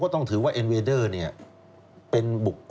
คนที่ถูกหลอกมาครับประเวณนี้ข้างในเลย